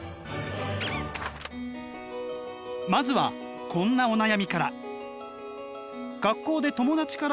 まずはこんなお悩みから。